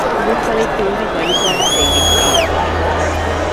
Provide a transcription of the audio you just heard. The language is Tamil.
பூக்களைத் தூவி வழிபாடு செய் வித்தான்.